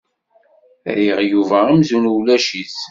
Rriɣ Yuba amzun ulac-it.